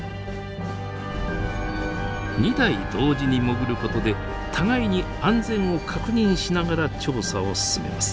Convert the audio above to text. ２台同時に潜ることで互いに安全を確認しながら調査を進めます。